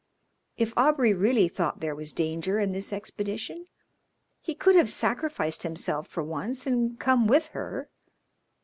If Aubrey really thought there was danger in this expedition he could have sacrificed himself for once and come with her.